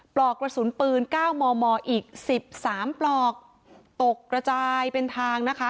ปลอกกระสุนปืน๙มมอีก๑๓ปลอกตกกระจายเป็นทางนะคะ